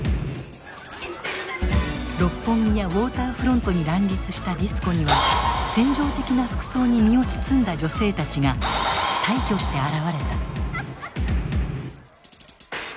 六本木やウォーターフロントに乱立したディスコには扇情的な服装に身を包んだ女性たちが大挙して現れた。